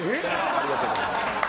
ありがとうございます。